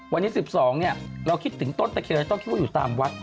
วันนี้๑๒เราคิดถึงต้นตะเคียนและต้นทู้อยู่ตามวัด